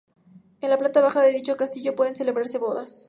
En la planta baja de dicho castillo pueden celebrarse bodas.